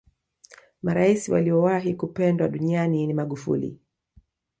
maraisi waliyowahi kupendwa duniani ni magufuli